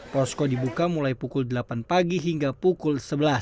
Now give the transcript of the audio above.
posko dibuka mulai pukul delapan pagi hingga pukul sebelas